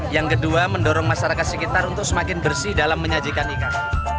yang kedua mendorong masyarakat sekitar untuk semakin bersih dalam menyajikan ikan